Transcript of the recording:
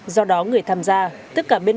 do đó người tham gia tất cả bên đồng